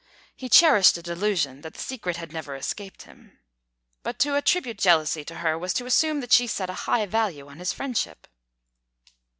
(He cherished a delusion that the secret had never escaped him.) But to attribute jealousy to her was to assume that she set a high value on his friendship.